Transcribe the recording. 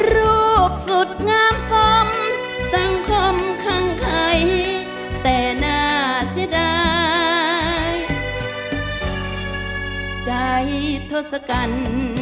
รูปสุดงามสมสังคมข้างใครแต่น่าเสียดายใจทศกัณฐ์